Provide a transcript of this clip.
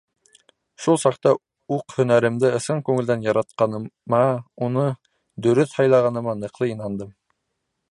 — Шул саҡта уҡ һөнәремде ысын күңелдән яратҡаныма, уны дөрөҫ һайлағаныма ныҡлы инандым.